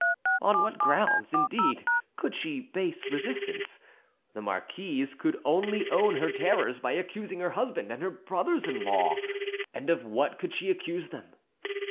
On what grounds, indeed, could she base resistance? The marquise could only own her terrors by accusing her husband and her brothers in law. And of what could she accuse them?